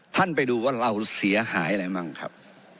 ไปดูว่าเราเสียหายอะไรบ้างครับ